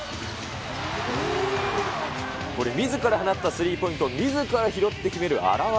これ、みずから放ったスリーポイントをみずから拾って決める荒技。